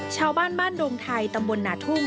ชาวบ้านบ้านดงไทยตำบลหนาทุ่ง